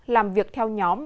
làm việc theo nhóm